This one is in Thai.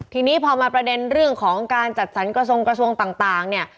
ทีนี้พอมาประเด็นเรื่องของการจัดสรรกระทรงกระทรวงต่างเนี่ย